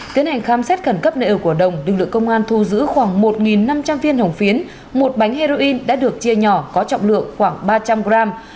tiến hành khám xét khẩn cấp nợ của đồng lực lượng công an thu giữ khoảng một năm trăm linh viên hồng phiến một bánh heroin đã được chia nhỏ có trọng lượng khoảng ba trăm linh gram